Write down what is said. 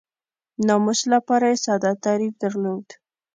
ناموس لپاره یې ساده تعریف درلود.